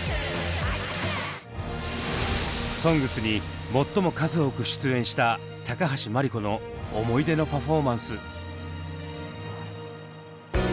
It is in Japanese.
「ＳＯＮＧＳ」に最も数多く出演した橋真梨子の思い出のパフォーマンス。